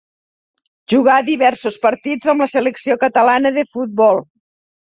Jugà diversos partits amb la selecció catalana de futbol.